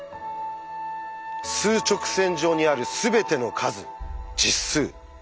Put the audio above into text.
数直線上にあるすべての数「実数」。